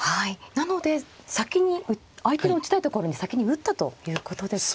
なので先に相手の打ちたいところに先に打ったということですね。